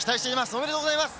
おめでとうございます。